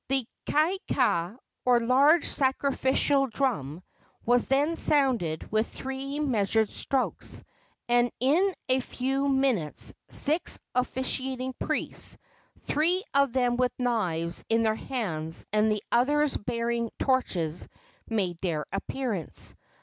The kaika, or large sacrificial drum, was then sounded with three measured strokes, and in a few minutes six officiating priests, three of them with knives in their hands and the others bearing torches, made their appearance.